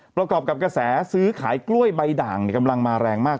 ประกอบกับกระแสซื้อขายกล้วยใบด่างกำลังมาแรงมาก